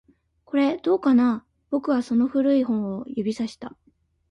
これ、どうかな？僕はその古い本を指差した